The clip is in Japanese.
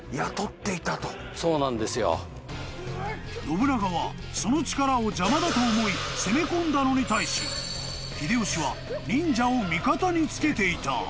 ［信長はその力を邪魔だと思い攻め込んだのに対し秀吉は忍者を味方につけていた］